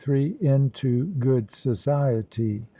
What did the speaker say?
INTO GOOD SOCIETY.